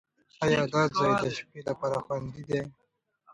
ایا دا ځای د شپې لپاره خوندي دی؟